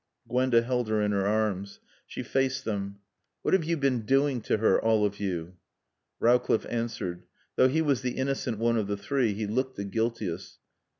Gwenda held her in her arms. She faced them. "What have you been doing to her all of you?" Rowcliffe answered. Though he was the innocent one of the three he looked the guiltiest.